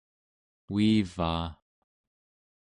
uivaa